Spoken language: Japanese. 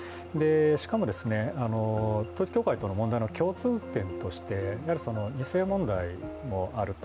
しかも統一教会との共通点として２世問題もあると。